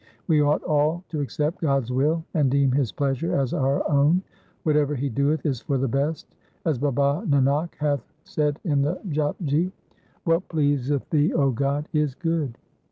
We ought all to accept God's will and deem his pleasure as our own. Whatever he doeth is for the best. As Baba Nanak hath said in the Japji — What pleaseth Thee, O God, is good.